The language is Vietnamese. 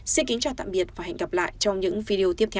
xin kính chào tạm biệt và hẹn gặp lại trong những video tiếp theo